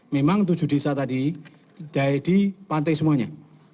memang tujuh desa tadi di pantai semuanya